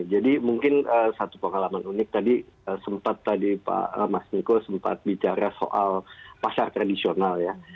mungkin satu pengalaman unik tadi sempat tadi pak mas miko sempat bicara soal pasar tradisional ya